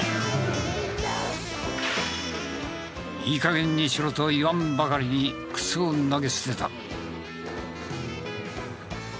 いい加減にしろと言わんばかりに靴を投げ捨てた。